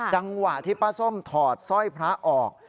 จังหวะที่ป้าส้มถอดสร้อยพระออก